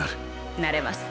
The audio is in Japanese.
なれます。